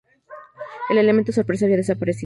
El elemento sorpresa había desaparecido.